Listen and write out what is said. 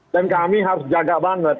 dan kami harus jaga banget